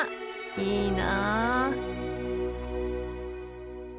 いいな。